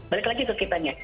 balik lagi ke kitanya